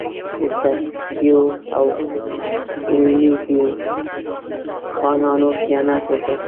د ترکزیو او حلیمزیو خانانو خیانت وکړ.